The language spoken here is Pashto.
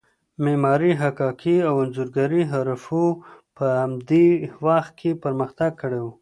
معمارۍ، حکاکۍ او انځورګرۍ حرفو په دې وخت کې پرمختګ کړی و.